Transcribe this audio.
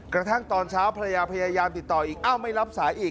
กระทั่งตอนเช้าภรรยาพยายามติดต่ออีกอ้าวไม่รับสายอีก